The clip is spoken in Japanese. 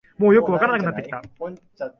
もうよくわからなくなってきた